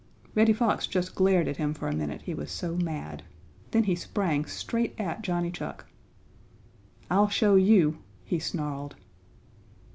Reddy Fox just glared at him for a minute, he was so mad. Then he sprang straight at Johnny Chuck. "I'll show you!" he snarled.